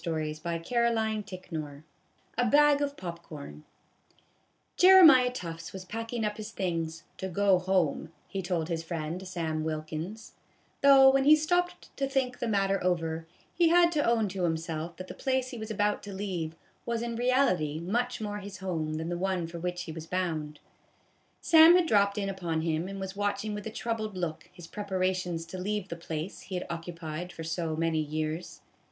A BAG OF POP CORN A BAG OF POP CORN JEREMIAH TUFTS was packing up his things " to go home," he told his friend Sam Wilkins ; though when he stopped to think the matter over, he had to own to himself that the place he was about to leave was in reality much more his home than the one for which he was bound. Sam had dropped in upon him, and was watching with a troubled look his preparations to leave the place he had occupied for so many years.